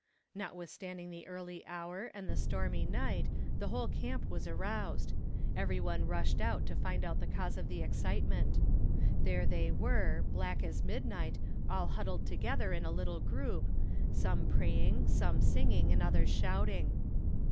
Notwithstanding the early hour, and the stormy night, the whole camp was aroused; every one rushed out to find out the cause of the excitement. There they were, black as midnight, all huddled together in a little group some praying, some singing, and others shouting.